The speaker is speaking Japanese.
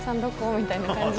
みたいな感じで。